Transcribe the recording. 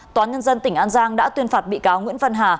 toán nhân dân tỉnh an giang đã tuyên phạt bị cáo nguyễn văn hà